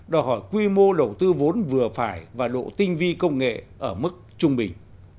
đòi hỏi quy mô đầu tư vốn vừa phải và độ tinh vi công nghệ ở mức trung bình